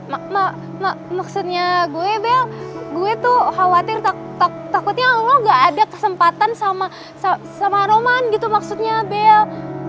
maksudnya gue bel gue tuh khawatir takutnya gak ada kesempatan sama roman gitu maksudnya bel